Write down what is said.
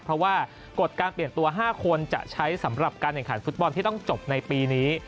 เพราะว่ากฎการเปลี่ยนตัว๕คนจะใช้สำหรับการแข่งขันฟุตบอลที่ต้องจบในปีนี้